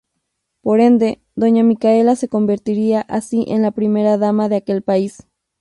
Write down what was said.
Por ende, doña Micaela se convertiría así en la primera dama de aquel país.